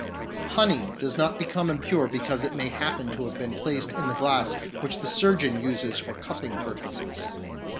Honey does not become impure because it may happen to have been placed in the glass which the surgeon uses for cupping purposes.